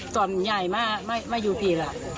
ตอนย้ายมาอยู่เผลอ